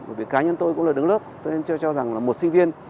bởi vì cá nhân tôi cũng là đứng lớp tôi nên cho rằng là một sinh viên